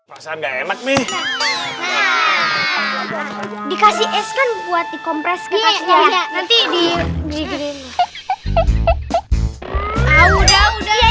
enggak emak nih dikasih es kan buat dikompresi nanti di